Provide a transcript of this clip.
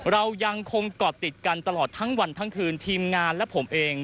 เรายังคงเกาะติดกันตลอดทั้งวันทั้งคืนทีมงานและผมเอง